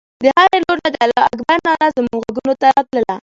د هرې لور نه د الله اکبر ناره زموږ غوږو ته راتلله.